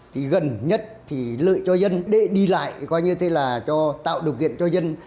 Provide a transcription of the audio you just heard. thì gần nhất thì lợi cho dân để đi lại tạo điều kiện cho dân